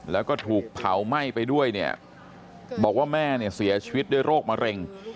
แล้วก็ถูกเผาไหม้ไปด้วยเนี่ยบอกว่าแม่เนี่ยเสียชีวิตด้วยโรคมะเร็ง